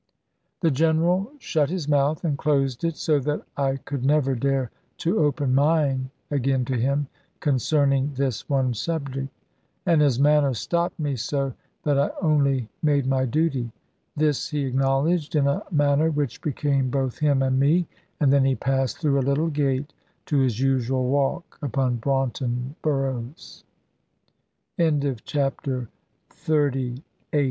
The General shut his mouth and closed it, so that I could never dare to open mine again to him, concerning this one subject. And his manner stopped me so that I only made my duty. This he acknowledged in a manner which became both him and me; and then he passed through a little gate to his usual walk upon Braunton Burrows. CHAPTER XXXIX. NOTICE TO Q